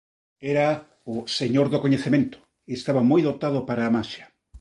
Era o "Señor do Coñecemento" e estaba moi dotado para a maxia.